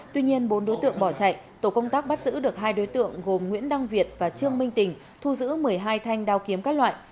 tuy nhiên bốn đối tượng bỏ chạy tổ công tác bắt giữ được hai đối tượng gồm nguyễn đăng việt và trương minh tình thu giữ một mươi hai thanh đao kiếm các loại